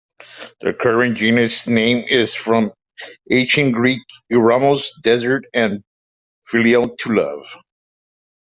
The current genus name is from Ancient Greek "eremos", "desert", and "phileo", "to love".